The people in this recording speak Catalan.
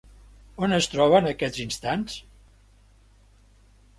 On es troba en aquests instants?